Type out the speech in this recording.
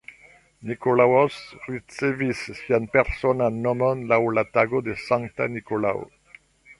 Nikolaus ricevis sian personan nomon laŭ la tago de Sankta Nikolao.